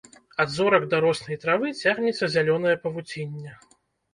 Ад зорак да роснай травы цягнецца зялёнае павуцінне.